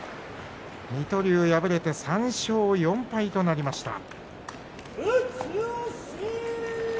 水戸龍敗れて３勝４敗となりました。